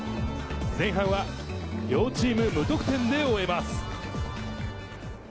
前半は両チーム無得点で終えます。